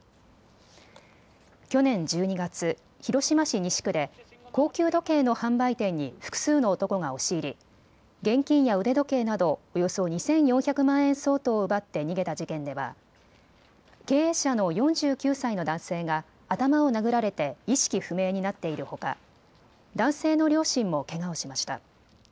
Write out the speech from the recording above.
去年１２月、広島市西区で高級時計の販売店に複数の男が押し入り現金や腕時計などおよそ２４００万円相当を奪って逃げた事件では経営者の４９歳の男性が頭を殴られて意識不明になっているほか男性の両親もけがをしました。